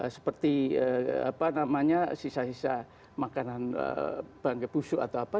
seperti apa namanya sisa sisa makanan bangka busuk atau apa